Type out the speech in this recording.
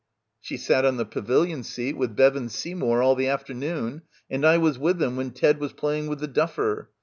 "She sat on the pavilion seat with Bevan Sey mour all the afternoon and I was with them when Ted was playing with the duffer.